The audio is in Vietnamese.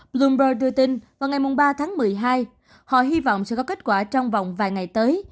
bloomper đưa tin vào ngày ba tháng một mươi hai họ hy vọng sẽ có kết quả trong vòng vài ngày tới